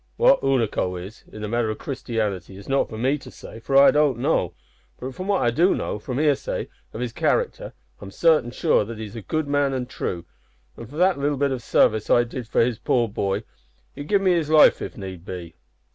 What Unaco is, in the matter o' Christianity, is not for me to say, for I don't know; but from what I do know, from hearsay, of his character, I'm sartin sure that he's a good man and true, an' for that little bit of sarvice I did to his poor boy, he'd give me his life if need be."